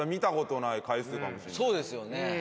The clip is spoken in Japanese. そうですよね。